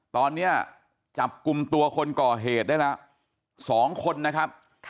ตอนนี้จับกลุ่มตัวคนก่อเหตุได้แล้ว๒คนนะครับ